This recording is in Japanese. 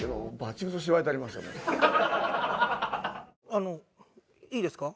あのいいですか？